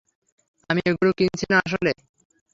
আমি এগুলো কিনছি না আসলে।